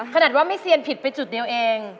ขนาดว่าไม่เซียนผิดไปจุดเดียวเอง